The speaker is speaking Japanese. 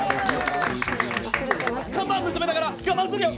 看板娘だから我慢するよ！